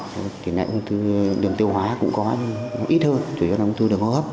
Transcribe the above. cái này ung thư đường tiêu hóa cũng có nhưng ít hơn chủ yếu là ung thư đường hô hấp